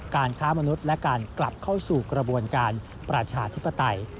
ค้ามนุษย์และการกลับเข้าสู่กระบวนการประชาธิปไตย